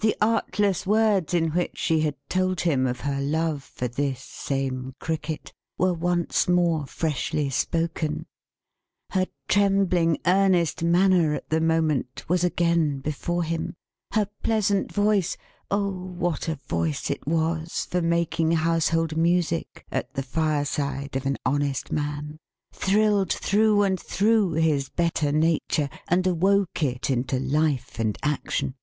The artless words in which she had told him of her love for this same Cricket, were once more freshly spoken; her trembling, earnest manner at the moment, was again before him; her pleasant voice oh what a voice it was, for making household music at the fireside of an honest man! thrilled through and through his better nature, and awoke it into life and action.